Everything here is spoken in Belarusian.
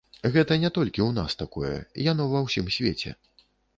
Гэта не толькі ў нас такое, яно ва ўсім свеце.